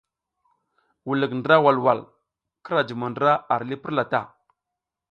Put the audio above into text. Wulik ndra walwal, kira jumo ndra ar li purla ta.